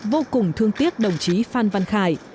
vô cùng thương tiếc đồng chí phan văn khải